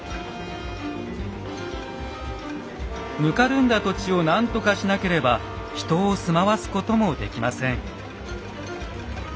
ぬかるんだ土地を何とかしなければ人を住まわすこともできません。